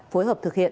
phối hợp thực hiện